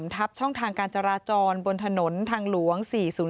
ทับช่องทางการจราจรบนถนนทางหลวง๔๐